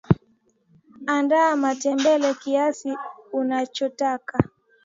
Andaa matembele kiasi unachotaka